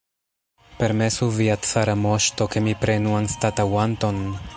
Permesu, via cara moŝto, ke mi prenu anstataŭanton!